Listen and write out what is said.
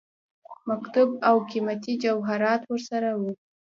مکتوب او قيمتي جواهراتو ورسره وه.